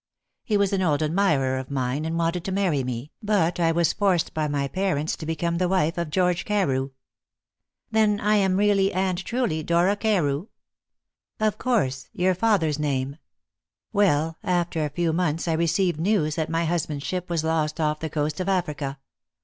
He was an old admirer of mine, and wanted to marry me, but I was forced by my parents to become the wife of George Carew." "Then I am really and truly Dora Carew?" "Of course your father's name. Well, after a few months I received news that my husband's ship was lost off the coast of Africa.